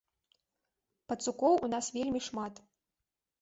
Пацукоў у нас вельмі шмат.